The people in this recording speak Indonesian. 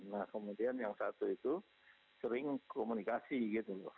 nah kemudian yang satu itu sering komunikasi gitu loh